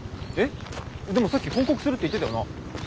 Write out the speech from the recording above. でもさっき報告するって言ってたよな。